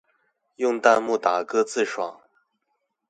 用彈幕打歌自爽